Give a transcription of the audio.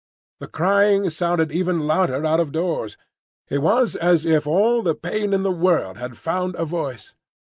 The crying sounded even louder out of doors. It was as if all the pain in the world had found a voice.